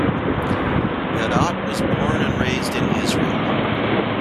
Gadot was born and raised in Israel.